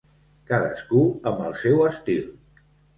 Cadascú amb el seu estil.